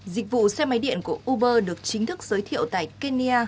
dịch vụ xe máy điện của uber được chính thức giới thiệu tại kenya